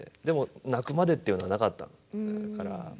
でも泣くまでっていうのはなかったから。